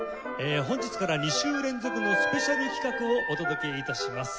本日から２週連続のスペシャル企画をお届け致します。